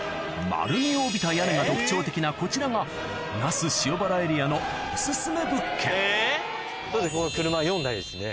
丸みを帯びた屋根が特徴的なこちらが那須塩原エリアの車４台ですね。